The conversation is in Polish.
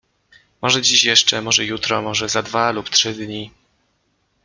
Może dziś jeszcze, może jutro, może za dwa lub trzy dni.